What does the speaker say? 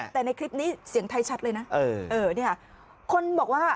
แต่ในคลิปนี้เสียงไทยชัดเลยนะ